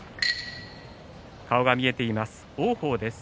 顔が見えています